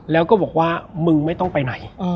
แล้วก็บอกว่ามึงไม่ต้องไปไหน